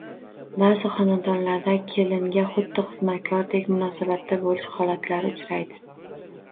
Ba'zi xonadonlarda kelinga xuddi xizmatkordek munosabatda bo‘lish holatlari uchraydi